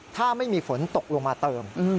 ถ้าไม่มีฝนตกลงมาเติม